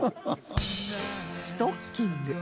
ストッキング